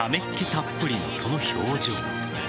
たっぷりのその表情。